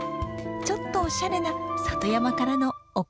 ちょっとおしゃれな里山からの贈り物です。